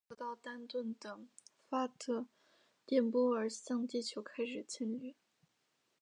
由于接受到丹顿的发的电波而向地球开始侵略。